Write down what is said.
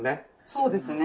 そうですね